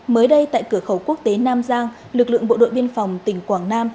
mới đây tại cửa khẩu quốc tế nam giang lực lượng bộ đội biên phòng tỉnh quảng nam